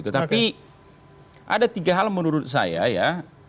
tapi ada tiga hal menurut saya ya